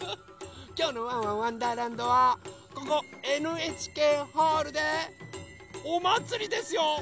きょうの「ワンワンわんだーらんど」はここＮＨＫホールでおまつりですよ！